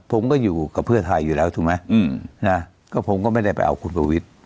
ผมก็อยู่กับเพื่อไทยอยู่แล้วถูกไหมก็ผมก็ไม่ได้ไปเอาคุณประวิทย์